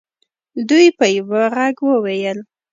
دوی په یوه ږغ وویل.